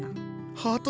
ハートだ！